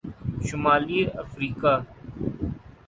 شمالی افریقہ